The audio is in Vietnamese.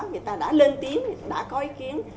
người ta đã lên tiếng người ta đã có ý kiến